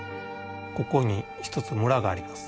ここに一つ村があります。